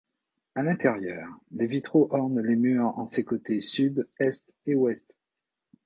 À l'intérieur, des vitraux ornent les murs en ses côtés sud, est et ouest.